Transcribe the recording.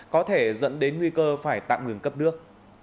có thể dẫn đến nguy cơ phải tạm ngừng cấp nước